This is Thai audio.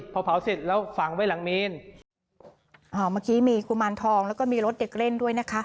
พอเผาเสร็จแล้วฝังไว้หลังเมนอ่าเมื่อกี้มีกุมารทองแล้วก็มีรถเด็กเล่นด้วยนะคะ